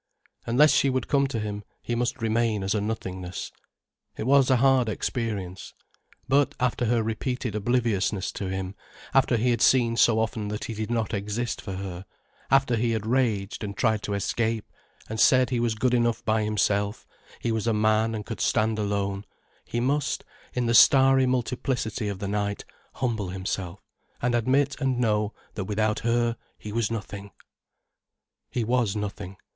Unless she would come to him, he must remain as a nothingness. It was a hard experience. But, after her repeated obliviousness to him, after he had seen so often that he did not exist for her, after he had raged and tried to escape, and said he was good enough by himself, he was a man, and could stand alone, he must, in the starry multiplicity of the night humble himself, and admit and know that without her he was nothing. He was nothing.